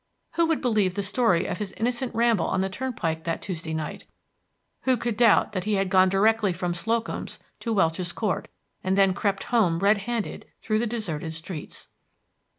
Who would believe the story of his innocent ramble on the turnpike that Tuesday night? Who could doubt that he had gone directly from the Slocums' to Welch's Court, and then crept home red handed through the deserted streets?